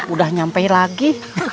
udah nyampe lagi